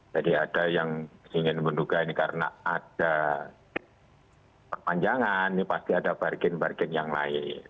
jadi ada yang ingin menduga ini karena ada perpanjangan ini pasti ada bargen bargen yang lain